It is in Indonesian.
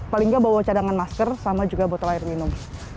paling nggak bawa cadangan masker sama juga botol air minum